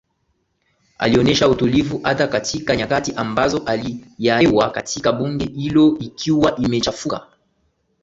Alionesha utulivu hata katika nyakati ambazo hali ya hewa katika bunge hilo ikiwa imechafuka